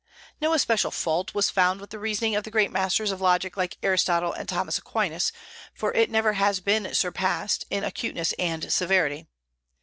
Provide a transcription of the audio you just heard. No especial fault was found with the reasoning of the great masters of logic like Aristotle and Thomas Aquinas, for it never has been surpassed in acuteness and severity.